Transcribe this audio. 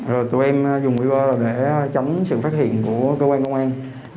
rồi tụi em dùng quỹ qua để tránh sự phát hiện của cơ quan công an